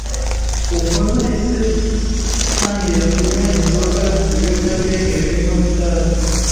ubwo nahise ntangira kunywa inzoga, ibiyobyabwenge birimo itabi,